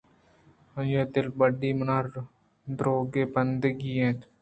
آئی ءِ دل بڈّی ءَ منا درٛوگے بندگی اَت